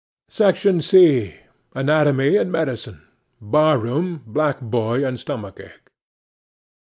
'SECTION C.—ANATOMY AND MEDICINE. BAR ROOM, BLACK BOY AND STOMACH ACHE.